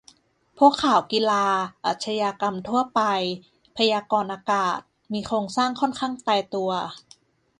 พวกข่าวกีฬา อาชญากรรมทั่วไป พยากรณ์อากาศ มีโครงสร้างค่อนข้างตายตัว